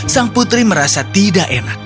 sang putri merasa tidak enak